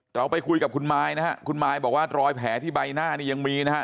เราไปคุยกับคุณมายนะฮะคุณมายบอกว่ารอยแผลที่ใบหน้านี่ยังมีนะฮะ